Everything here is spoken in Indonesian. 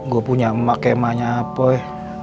gue punya emak kayak emaknya apoi